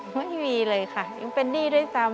ไม่มีเลยค่ะยังเป็นหนี้ด้วยซ้ำ